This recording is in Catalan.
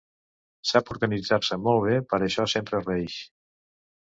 Sap organitzar-se molt bé, per això sempre reïx.